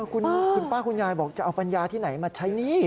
คุณป้าคุณยายบอกจะเอาปัญญาที่ไหนมาใช้หนี้